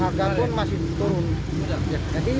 harga pun masih turun